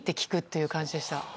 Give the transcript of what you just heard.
いう感じでした。